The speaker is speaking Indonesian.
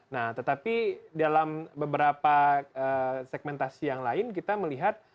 nah tetapi dalam beberapa segmentasi yang lain kita melihat